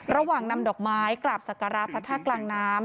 ระหว่างนำดอกไม้กราบศักราชพระธาตุกลางน้ำ